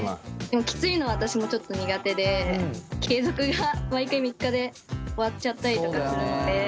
でもきついのは私もちょっと苦手で継続が毎回３日で終わっちゃったりとかするので。